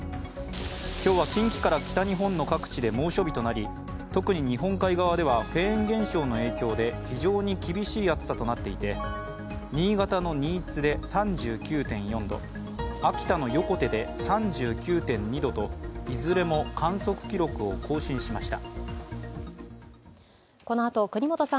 今日は近畿から北日本の各地で猛暑日となり特に日本海側ではフェーン現象の影響で非常に厳しい暑さとなっていて新潟の新津で３９．４度、秋田の横手で３９．２度といずれも観測記録を更新しました。